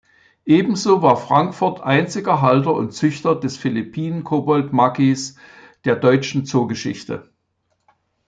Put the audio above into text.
Ebenso war Frankfurt einziger Halter und Züchter des Philippinen-Koboldmakis der deutschen Zoogeschichte.